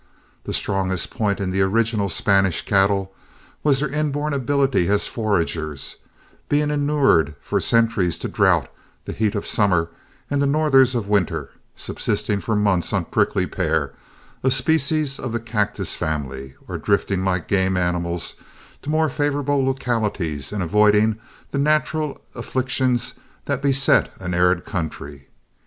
The strongest point in the original Spanish cattle was their inborn ability as foragers, being inured for centuries to drouth, the heat of summer, and the northers of winter, subsisting for months on prickly pear, a species of the cactus family, or drifting like game animals to more favored localities in avoiding the natural afflictions that beset an arid country.